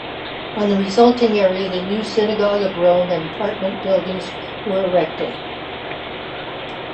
On the resulting area the new Synagogue of Rome and apartment buildings were erected.